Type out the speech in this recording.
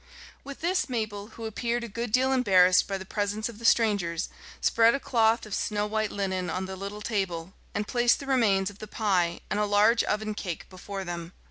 With this Mabel, who appeared a good deal embarrassed by the presence of the strangers, spread a cloth of snow white linen on the little table, and placed the remains of the pie and a large oven cake before them.